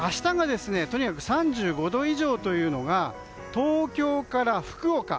明日、３５度以上というのが東京から福岡。